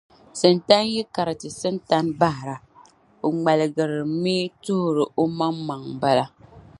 Sintana yi kariti Sintana bahira, o ŋmaligimi tuhir’ omaŋa m-bala.